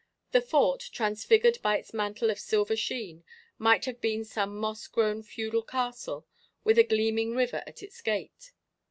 The Fort, transfigured by its mantle of silver sheen, might have been some moss grown feudal castle, with a gleaming river at its gate.